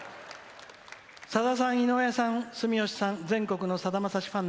さださん、井上さん、住吉さん全国のさだまさし